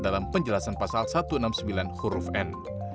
dalam penjelasan pasal satu ratus enam puluh sembilan huruf n